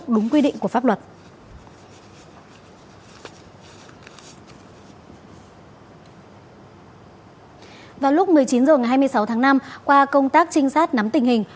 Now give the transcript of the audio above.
lúc một mươi chín h ngày hai mươi sáu tháng năm qua công tác trinh sát nắm tình hình